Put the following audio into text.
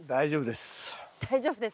大丈夫です。